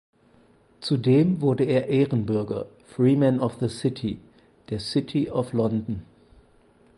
Zudem wurde er Ehrenbürger "(Freeman of the City)" der City of London.